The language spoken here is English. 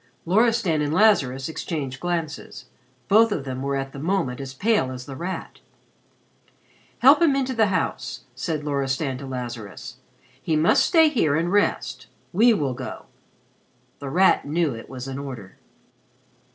Loristan and Lazarus exchanged glances. Both of them were at the moment as pale as The Rat. "Help him into the house," said Loristan to Lazarus. "He must stay here and rest. We will go." The Rat knew it was an order.